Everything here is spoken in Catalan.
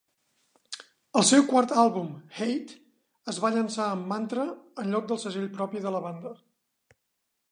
El seu quart àlbum, "Hate", es va llançar amb Mantra en lloc del segell propi de la banda.